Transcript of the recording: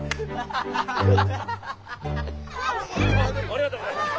ありがとうございます。